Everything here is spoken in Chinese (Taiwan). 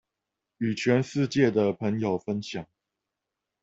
與全世界的朋友分享